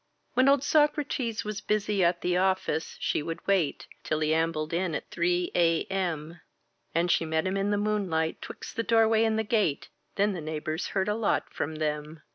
When old Socrates was busy at the office, she would wait Till he ambled in at 3 a.m. And she met him in the moonlight 'twixt the doorway and the gate Then the neighbors heard a lot from them.